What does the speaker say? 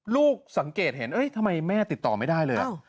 ลูกสังเกตเห็นทำไมแม่ติดต่อไม่ได้เลย